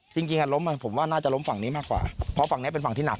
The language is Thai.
จริงล้มผมว่าน่าจะล้มฝั่งนี้มากกว่าเพราะฝั่งนี้เป็นฝั่งที่หนัก